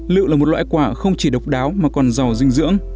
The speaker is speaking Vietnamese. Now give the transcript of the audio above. lựu là một loại quả không chỉ độc đáo mà còn giàu dinh dưỡng